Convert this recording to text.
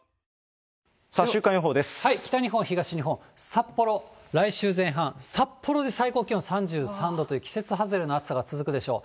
札幌、来週前半、札幌で最高気温３３度という季節外れの暑さが続くでしょう。